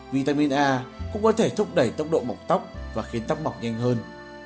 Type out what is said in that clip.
vitamin a cũng có thể thúc đẩy tốc độ mọc tóc và khiến tóc bọc nhanh hơn